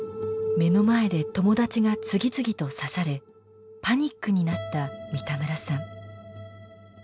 目の前で友達が次々と刺されパニックになった三田村さん。